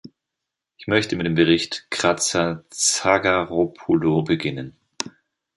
Ich möchte mit dem Bericht Kratsa-Tsagaropoulou beginnen.